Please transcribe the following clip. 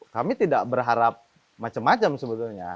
kami tidak berharap macam macam sebetulnya